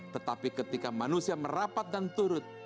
tetapi ketika manusia merapat dan turut